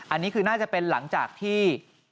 อันนี้คือน่าจะเป็นหลังจากที่